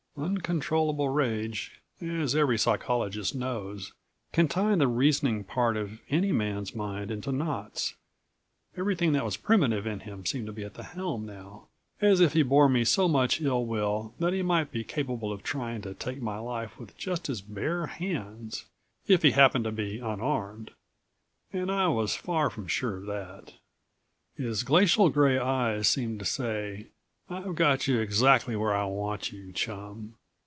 Uncontrollable rage, as every psychologist knows, can tie the reasoning part of any man's mind into knots. Everything that was primitive in him seemed to be at the helm now, as if he bore me so much ill will that he might be capable of trying to take my life with just his bare hands, if he happened to be unarmed. And I was far from sure of that. His glacial gray eyes seemed to say: "I've got you exactly where I want you, chum.